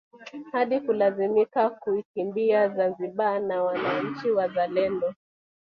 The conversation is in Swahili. Hadi kulazimika kuikimbia Zanzibar na wananchi wazalendo